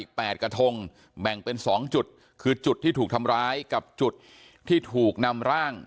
แปดกระทงแบ่งเป็นสองจุดคือจุดที่ถูกทำร้ายกับจุดที่ถูกนำร่าง